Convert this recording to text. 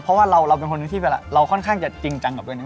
เพราะว่าเราเป็นคนหนึ่งที่เวลาเราค่อนข้างจะจริงจังกับตัวเอง